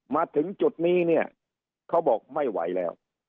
มาถึงจุดนี้เนี่ยเขาบอกไม่ไหวแล้ว